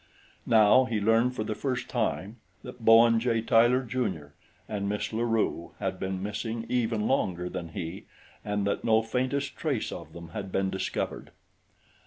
Now he learned for the first time that Bowen J. Tyler, Jr., and Miss La Rue had been missing even longer than he and that no faintest trace of them had been discovered.